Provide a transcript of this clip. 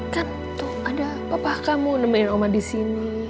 kan tuh ada papa kamu nemuin ma di sini